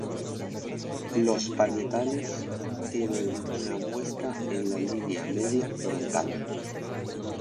Los parietales tienen una muesca en la línea media frontal.